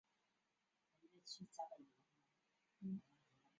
该游利是殖民地上首次同类抗议活动。